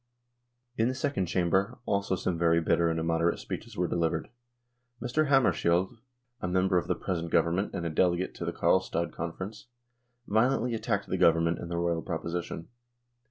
In the Second Chamber also some very bitter and immoderate speeches were delivered. Mr. Hammar skiold, a member of the present Government and a delegate to the Karlstad Conference, violently attacked the Government and the Royal proposition.